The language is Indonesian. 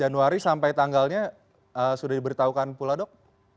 lima belas januari sampai tanggalnya sudah diberitahukan pula dok